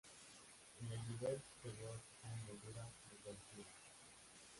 En el nivel superior hay moldura decorativa.